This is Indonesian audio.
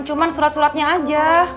cuman surat suratnya aja